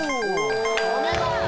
お見事。